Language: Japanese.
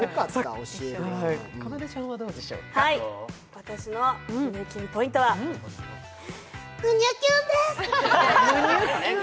私の胸キュンポイントは、むにゅキュンです。